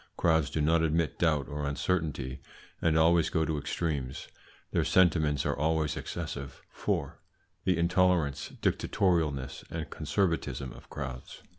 Crowds do not admit doubt or uncertainty, and always go to extremes Their sentiments always excessive. 4. THE INTOLERANCE, DICTATORIALNESS, AND CONSERVATISM OF CROWDS.